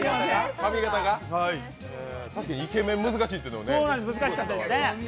確かにイケメン難しいっていうのはね。